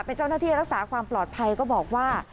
เป็นเจ้าหน้าที่รักษาความปลอดภัยก็บอกว่า